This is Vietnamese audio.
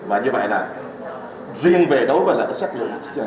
và như vậy là riêng về đối với xét nghiệm